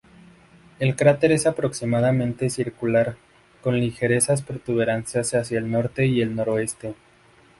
El cráter es aproximadamente circular, con ligeras protuberancias hacia el norte y el noreste.